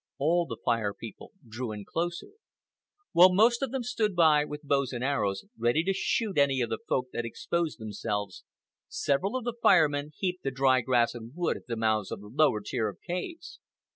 All the Fire People drew in closer. While most of them stood by with bows and arrows, ready to shoot any of the Folk that exposed themselves, several of the Fire Men heaped the dry grass and wood at the mouths of the lower tier of caves.